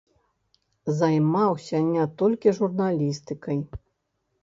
Займаўся не толькі журналістыкай.